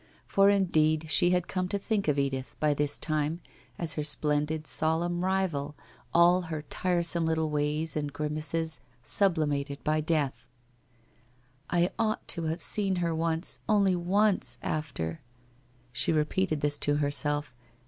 ... For indeed, she had come to think of Edith, by this time, as her splendid solemn rival, all her tiresome little ways and grimaces sublimated by death. * I ought to have seen her once, only once, after! ' She repeated this to herself.